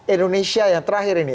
indonesia yang terakhir ini